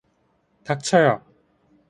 닥쳐요!